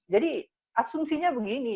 jadi asumsinya begini